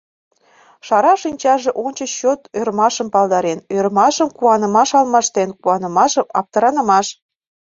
Шара шинчаже ончыч чот ӧрмашым палдарен, ӧрмашым куанымаш алмаштен, куанымашым — аптранымаш...